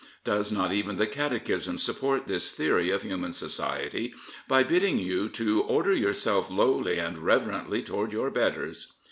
Does not even the Catechism support this theory of human society by bidding you to order yourself lowly and reverently toward your betters"?